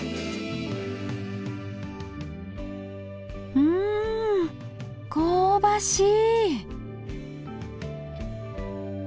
うん香ばしい。